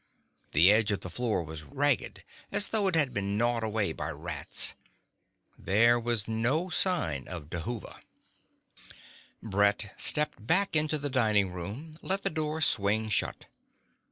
The edge of the floor was ragged, as though it had been gnawed away by rats. There was no sign of Dhuva. Brett stepped back into the dining room, let the door swing shut.